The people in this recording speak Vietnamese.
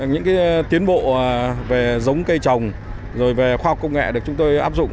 những tiến bộ về giống cây trồng rồi về khoa học công nghệ được chúng tôi áp dụng